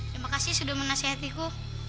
terima kasih sudah menasihatiku